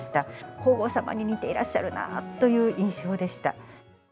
皇后さまに似ていらっしゃるなという印象でした。